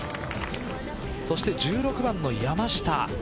そして１６番の山下。